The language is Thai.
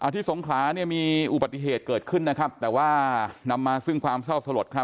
สงขลาเนี่ยมีอุบัติเหตุเกิดขึ้นนะครับแต่ว่านำมาซึ่งความเศร้าสลดครับ